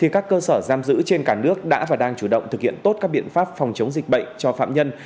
các cơ sở giam giữ trên cả nước đã và đang chủ động thực hiện tốt các biện pháp phòng chống dịch bệnh cho phạm nhân